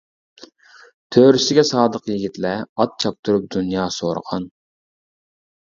تۆرىسىگە سادىق يىگىتلەر ، ئات چاپتۇرۇپ دۇنيا سورىغان !